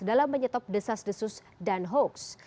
dalam menyetop desas desus dan hoax